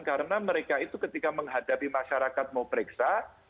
karena mereka itu ketika menghadapi masyarakat mau periksa